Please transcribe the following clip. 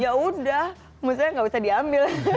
ya udah maksudnya nggak bisa diambil